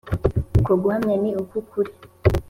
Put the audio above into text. Uko guhamya ni uk’ukuri